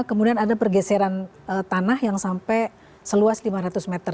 kemudian ada pergeseran tanah yang sampai seluas lima ratus meter